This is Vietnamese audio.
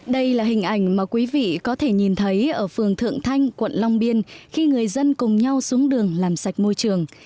đây là hình ảnh mà quý vị có thể nhìn thấy ở phường thượng thanh quận long biên khi người dân cùng nhau xuống đường làm sạch môi trường